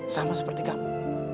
sama seperti kamu